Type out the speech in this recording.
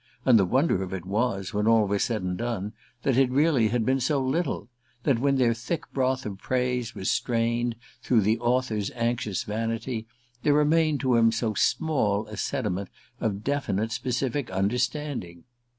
And the wonder of it was, when all was said and done, that it had really been so little that when their thick broth of praise was strained through the author's anxious vanity there remained to him so small a sediment of definite specific understanding!